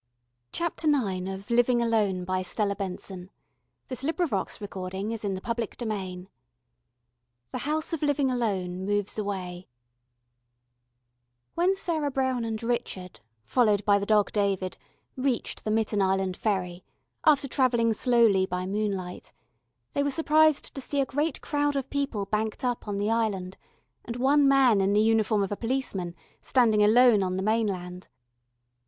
er thought everybody was pulling his leg, but could not be sure. Only Miss Ford sat silent. CHAPTER IX THE HOUSE OF LIVING ALONE MOVES AWAY When Sarah Brown and Richard, followed by the Dog David, reached the Mitten Island Ferry, after travelling slowly by moonlight, they were surprised to see a great crowd of people banked up on the Island, and one man in the uniform of a policeman, standing alone on the mainland.